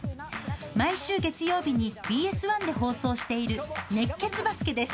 毎週月曜日にＢＳ１で放送している「熱血バスケ」です。